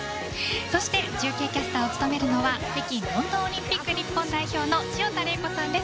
そして中継キャスターを務めるのは北京、ロンドンオリンピック日本代表の潮田玲子さんです。